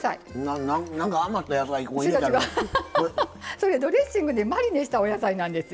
それドレッシングでマリネしたお野菜なんですよ。